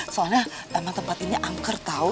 soalnya emang tempat ini angker tau